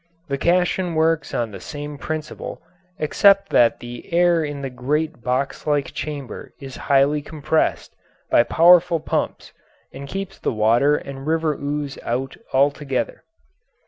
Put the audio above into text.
The caisson works on the same principle, except that the air in the great boxlike chamber is highly compressed by powerful pumps and keeps the water and river ooze out altogether.